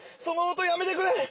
その音やめてくれ！